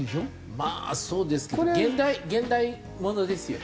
まあそうですけど現代現代物ですよね？